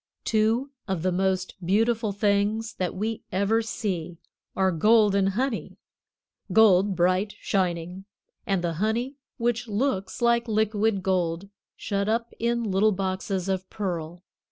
Two of the most beautiful things that we ever see are gold and honey gold, bright shining, and the honey which looks like liquid gold, shut up in little boxes of pearl.